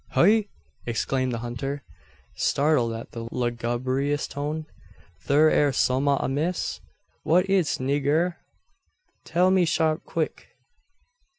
"Heigh!" exclaimed the hunter, startled at the lugubrious tone. "Thur air sommeat amiss? What is't, nigger? Tell me sharp quick.